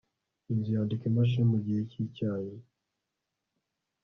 Inzu yandika imashini mugihe cyicyayi